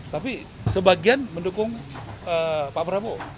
tapi sebagian mendukung pak prabowo